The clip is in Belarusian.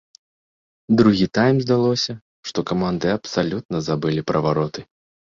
Другі тайм здалося, што каманды абсалютна забылі пра вароты.